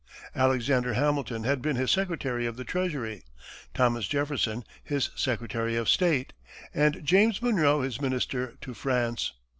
Alexander Hamilton had been his secretary of the treasury, Thomas Jefferson his secretary of state, and James Monroe his minister to France.